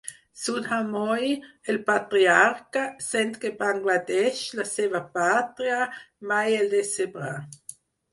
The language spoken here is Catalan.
Sudhamoy, el patriarca, sent que Bangladesh, la seva pàtria, mai el decebrà.